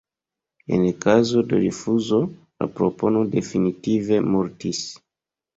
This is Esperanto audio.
En kazo de rifuzo, la propono definitive mortis.